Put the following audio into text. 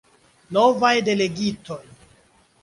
Novaj delegitoj.